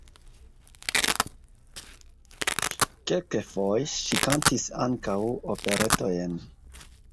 Kelkfoje ŝi kantis ankaŭ operetojn.